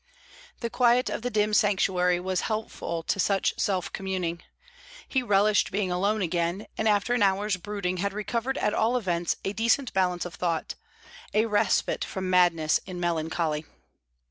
The quiet of the dim sanctuary was helpful to such self communing. He relished being alone again, and after an hour's brooding had recovered at all events a decent balance of thought, a respite from madness in melancholy.